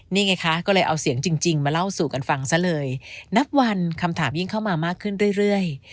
นี่ไงคะก็เลยเอาเสียงจริงมาเล่าสู่กันฟังซะเลยนับวันคำถามยิ่งเข้ามามากขึ้นเรื่อย